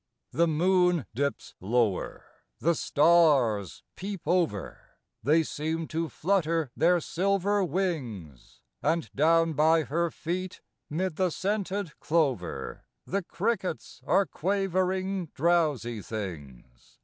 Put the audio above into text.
The moon dips lower ; the stars peep over ; They seem to flutter their silver wings ; And down by her feet, 'mid the scented clover, The crickets are quavering drowsy things.